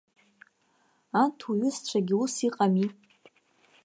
Анҭ уҩызцәагьы ус иҟами?